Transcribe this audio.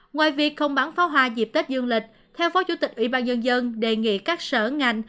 ngoài việc không bán pháo hoa dịp tết dương lịch theo phó chủ tịch ủy ban nhân dân đề nghị các sở ngành